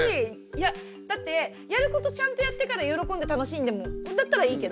いやだってやることちゃんとやってから喜んで楽しんでもだったらいいけど。